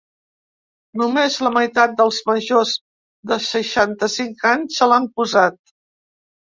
Només la meitat dels majors de seixanta-cinc anys se l’han posat.